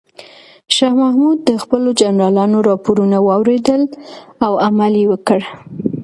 شاه محمود د خپلو جنرالانو راپورونه واورېدل او عمل یې وکړ.